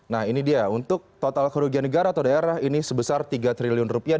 nah ini dia untuk total kerugian negara atau daerah ini sebesar tiga triliun rupiah